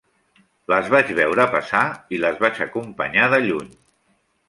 Les vaig veure passar i les vaig acompanyar de lluny.